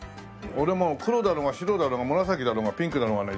俺もう黒だろうが白だろうが紫だろうがピンクだろうがね